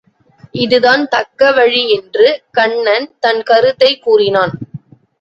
இதுதான் தக்க வழி என்று கன்னன் தன் கருத்தைக் கூறினான்.